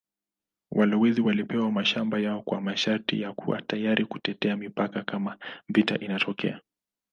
Walowezi walipewa mashamba yao kwa masharti ya kuwa tayari kutetea mipaka kama vita inatokea.